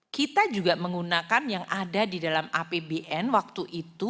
kita juga menggunakan yang ada di dalam apbn waktu itu